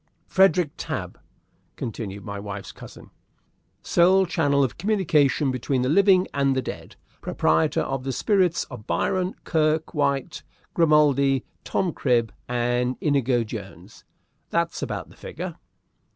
"Frederick Tabb," continued my wife's cousin, "sole channel of communication between the living and the dead. Proprietor of the spirits of Byron, Kirke White, Grimaldi, Tom Cribb, and Inigo Jones. That's about the figure!"